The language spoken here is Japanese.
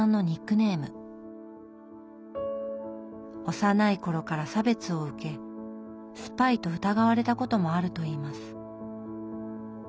幼い頃から差別を受けスパイと疑われたこともあるといいます。